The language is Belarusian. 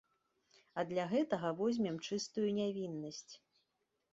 А для гэтага возьмем чыстую нявіннасць.